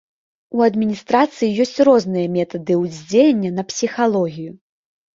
У адміністрацыі ёсць розныя метады ўздзеяння на псіхалогію.